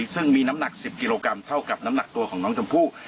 ซึ่งมีน้ำหนัก๑๐กิโลกรัมเท่ากับน้ำหนักตัวของน้องชมพู่